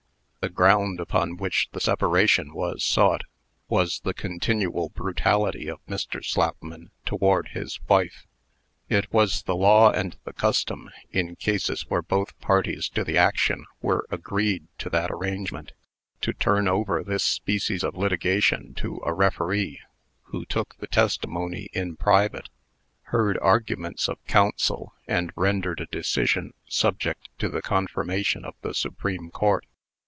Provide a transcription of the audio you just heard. The ground upon which the separation was sought, was the continual brutality of Mr. Slapman toward his wife. It was the law and the custom, in cases where both parties to the action were agreed to that arrangement, to turn over this species of litigation to a referee, who took the testimony in private, heard arguments of counsel, and rendered a decision subject to the confirmation of the Supreme Court.